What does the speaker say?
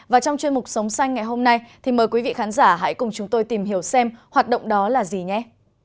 và trong chuyên mục sống xanh ngày hôm nay thì mời quý vị khán giả hãy cùng chúng tôi tìm hiểu xem hoạt động đó là gì nhé